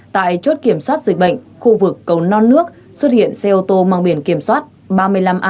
tại chốt kiểm soát dịch bệnh khu vực cầu non nước xuất hiện xe ô tô mang biển kiểm soát ba mươi năm a hai mươi hai nghìn hai trăm chín mươi